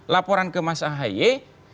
laporan ke mas ahaye